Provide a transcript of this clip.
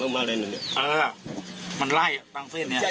เออมันไล่อ่ะตั้งเส้นเนี้ยเออ